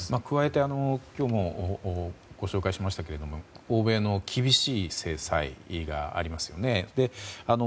加えて、今日もご紹介しましたけど欧米の厳しい制裁がありますよね。